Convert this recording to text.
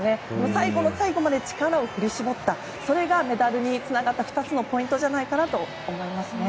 最後の最後まで力をふり絞ったそれがメダルにつながった２つのポイントじゃないかと思いますね。